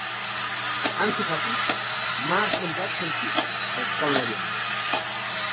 Ansu Fati, m'ha semblat sentir —respon l'Oriana.